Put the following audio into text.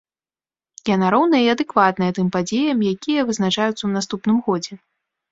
Яна роўная і адэкватная тым падзеям, якія вызначаюцца ў наступным годзе.